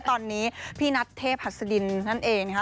ตอนนี้พี่นัทเทพหัสดินนั่นเองนะคะ